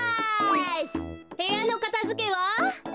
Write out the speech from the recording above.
へやのかたづけは？